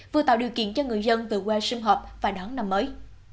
vừa tạo điều kiện cho người dân từ qua sinh hợp và đón năm mới